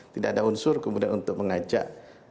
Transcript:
tidak ada unsur kemudian untuk mengajak